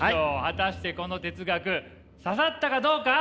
果たしてこの哲学刺さったかどうか？